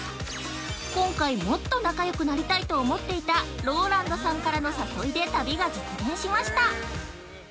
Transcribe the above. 今回もっと仲よくなりたいと思っていたＲＯＬＡＮＤさんからの誘いで、旅が実現しました。